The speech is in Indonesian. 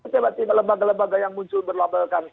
tiba tiba lembaga lembaga yang muncul berlabelkan